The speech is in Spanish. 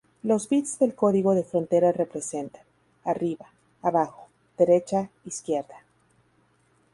Los bits del código de frontera representan: Arriba, Abajo, Derecha, Izquierda.